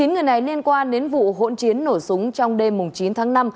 chín người này liên quan đến vụ hỗn chiến nổ súng trong đêm chín tháng năm